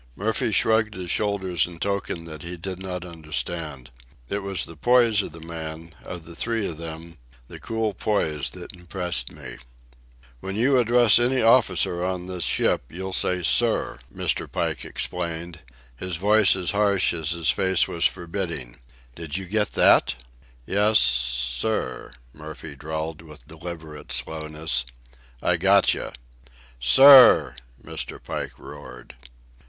Murphy shrugged his shoulders in token that he did not understand. It was the poise of the man, of the three of them, the cool poise that impressed me. "When you address any officer on this ship you'll say 'sir,'" Mr. Pike explained, his voice as harsh as his face was forbidding. "Did you get that?" "Yes ... sir," Murphy drawled with deliberate slowness. "I gotcha." "Sir!" Mr. Pike roared.